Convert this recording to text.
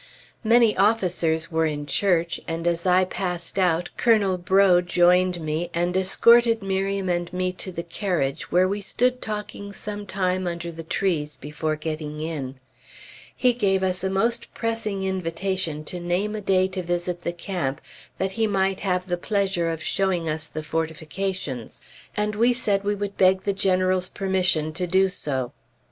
Many officers were in church, and as I passed out, Colonel Breaux joined me, and escorted Miriam and me to the carriage, where we stood talking some time under the trees before getting in. He gave us a most pressing invitation to name a day to visit the camp that he might "have the pleasure of showing us the fortifications," and we said we would beg the General's permission to do so.